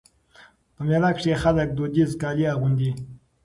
په مېله کښي خلک دودیز کالي اغوندي.